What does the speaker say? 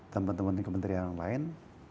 teman teman kementerian lain